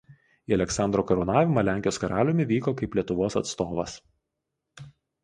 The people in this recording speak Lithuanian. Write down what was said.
Į Aleksandro karūnavimą Lenkijos karaliumi vyko kaip Lietuvos atstovas.